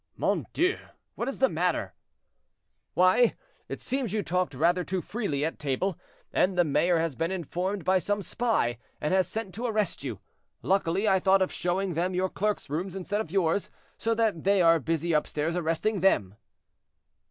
"Mon Dieu! what is the matter?" "Why, it seems you talked rather too freely at table, and the mayor has been informed by some spy, and has sent to arrest you. Luckily, I thought of showing them your clerks' room instead of yours, so that they are busy upstairs arresting them."